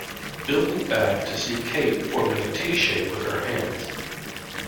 Bill looked back to see Kate forming a T-shape with her hands.